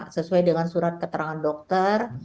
sesuai dengan surat keterangan dokter